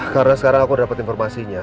karena sekarang aku udah dapet informasinya